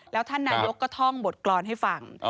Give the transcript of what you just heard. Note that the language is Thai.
แล้วท่านนายกรัฐมนตรีก็ท่องบทกรอนให้ฟัง